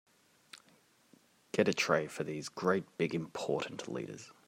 Get a tray for these great big important leaders.